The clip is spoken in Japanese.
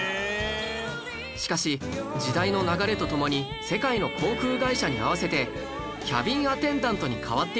しかし時代の流れとともに世界の航空会社に合わせてキャビンアテンダントに変わっていったんですよ